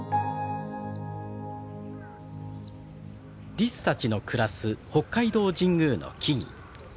リスたちの暮らす北海道神宮の木々。